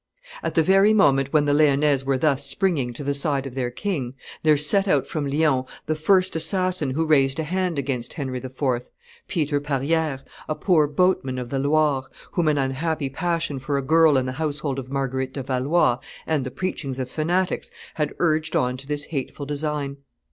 At the very moment when the Lyonnese were thus springing to the side of their king, there set out from Lyons the first assassin who raised a hand against Henry IV., Peter Parriere, a poor boatman of the Loire, whom an unhappy passion for a girl in the household of Marguerite de Valois and the preachings of fanatics had urged on to this hateful design.